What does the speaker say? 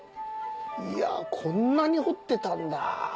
いやこんなに彫ってたんだ。